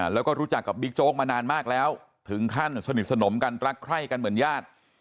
แล้วก็รู้จักกับบิ๊กโจ๊กมานานมากแล้วถึงขั้นสนิทสนมกันรักใคร่กันเหมือนญาติ